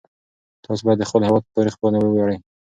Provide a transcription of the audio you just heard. تاسو باید د خپل هیواد په تاریخ باندې وویاړئ.